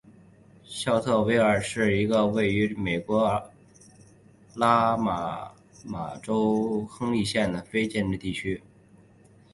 肖特维尔是一个位于美国阿拉巴马州亨利县的非建制地区。